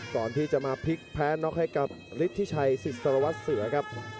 ก่อนที่จะมาพลิกแพ้น็อกให้กับฤทธิชัยสิสารวัตรเสือครับ